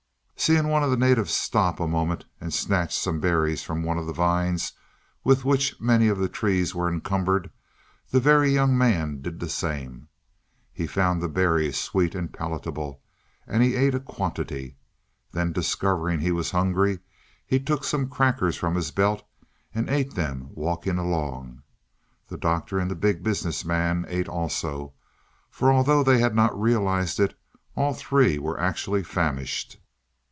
Seeing one of the natives stop a moment and snatch some berries from one of the vines with which many of the trees were encumbered, the Very Young Man did the same. He found the berries sweet and palatable, and he ate a quantity. Then discovering he was hungry, he took some crackers from his belt and ate them walking along. The Doctor and the Big Business Man ate also, for although they had not realized it, all three were actually famished.